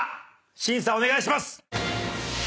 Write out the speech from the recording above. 審査お願いします。